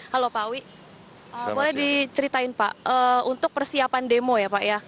halo pak awi boleh diceritain pak untuk persiapan demo ya pak ya